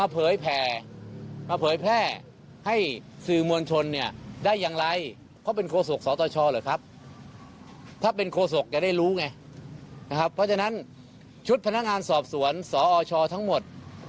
เพราะฉะนั้นชุดพนักงานสอบสวนสอชทั้งหมด